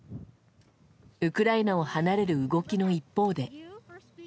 ウクライナを離れる動きの一方で。